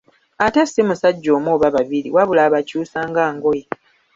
Ate ssi musajja omu oba babiri wabula abakyusa nga ngoye.